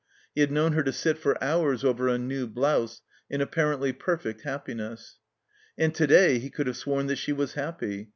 He had known her to sit for hours over a new blouse in apparently perfect happiness. And to day he could have sworn that she was happy.